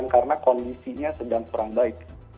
karena kondisinya sedang kurang baik